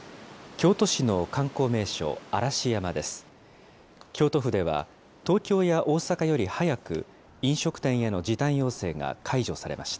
京都市の観光名所、嵐山です。